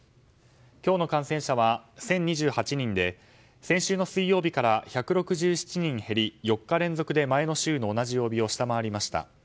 今日の感染者は１０２８人で先週の水曜日から１６７人減り、４日連続で前の週の同じ曜日を下回りました。